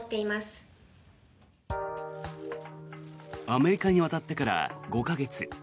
アメリカに渡ってから５か月。